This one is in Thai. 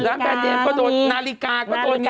ร้านแบรนด์เนมก็โดนนาฬิกาก็โดน